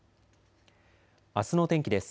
あすの天気です。